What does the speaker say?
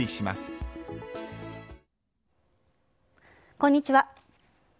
こんにちは。